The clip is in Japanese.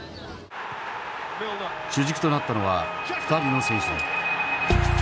主軸となったのは２人の選手だ。